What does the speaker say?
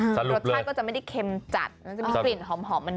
รสชาติก็จะไม่ได้เค็มจัดมันจะมีกลิ่นหอมมัน